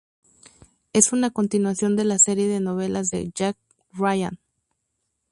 Es una continuación de la serie de novelas de Jack Ryan.